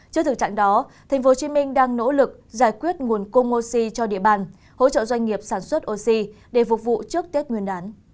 trước thực trạng đó tp hcm đang nỗ lực giải quyết nguồn cung oxy cho địa bàn hỗ trợ doanh nghiệp sản xuất oxy để phục vụ trước tết nguyên đán